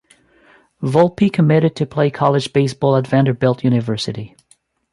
Volpe committed to play college baseball at Vanderbilt University.